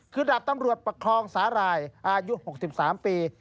คือดาบตำรวจประคองสาหร่ายอายุ๖๓ปี